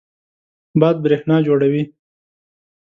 باد برېښنا جوړوي.